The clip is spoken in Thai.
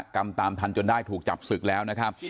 กรรมตามทันจนได้ถูกจับศึกแล้วนะครับ